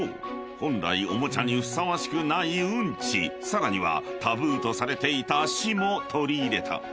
本来おもちゃにふさわしくないうんちさらにはタブーとされていた死も取り入れた］